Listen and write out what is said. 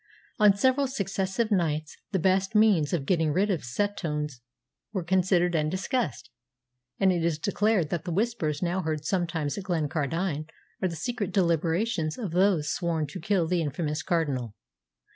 On several successive nights the best means of getting rid of Setoun were considered and discussed, and it is declared that the Whispers now heard sometimes at Glencardine are the secret deliberations of those sworn to kill the infamous Cardinal.